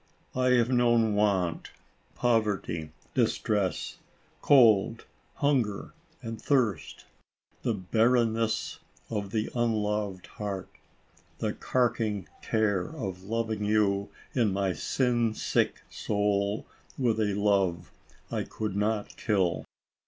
I have known want, poverty, distress, cold, hunger and thirst, the barrenness of the unloved heart, the carking care of loving you in my sin sick soul with a love, I could not kill.